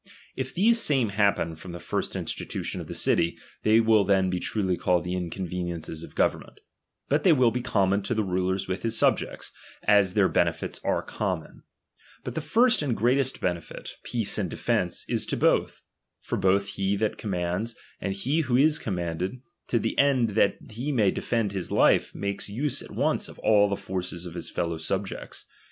If these same happen from the first I. institution of the city, they will then be truly called the inconveniences of government ; but they will be common to the ruler with his subjects, as their benefits are common. But the first and greatest benefit, peace and defence, is to both ; for both he that commands, and he who is commanded, to the end that he may defend his life makes use at once of all the forces of his fellow subjects.